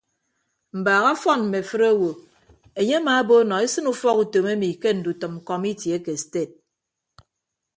Mbaak ọfọn mme afịt owo enye amaabo nọ esịn ufọkutom emi ke ndutʌm kọmiti ake sted.